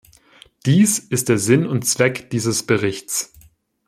Dies ist der Sinn und Zweck dieses Berichts.